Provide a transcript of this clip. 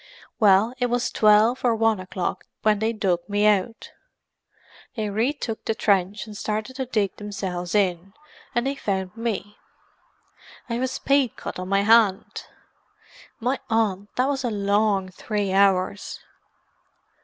"Well, it was twelve or one o'clock when they dug me out. They re took the trench, and started to dig themselves in, and they found me; I've a spade cut on my hand. My Aunt, that was a long three hours!"